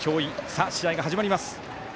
さあ、試合が始まります。